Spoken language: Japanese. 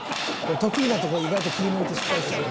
得意なとこ意外と気ぃ抜いて失敗しちゃう。